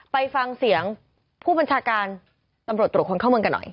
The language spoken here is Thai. ไปฟังเสียงผู้บัญชาการตำรวจตรวจคนเข้าเมืองกันหน่อย